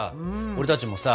俺たちもさ